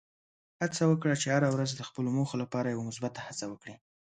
هڅه وکړه چې هره ورځ د خپلو موخو لپاره یوه مثبته هڅه وکړې.